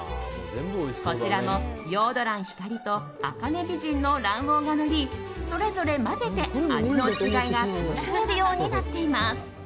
こちらもヨード卵・光と茜美人の卵黄がのりそれぞれ混ぜて味の違いが楽しめるようになっています。